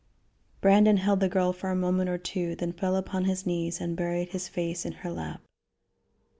Brandon held the girl for a moment or two, then fell upon his knees and buried his face in her lap.